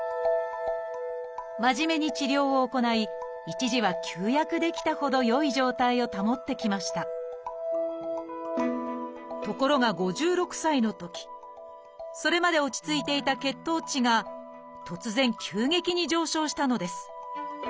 真面目に治療を行い一時は休薬できたほど良い状態を保ってきましたところが５６歳のときそれまで落ち着いていた血糖値が突然急激に上昇したのです。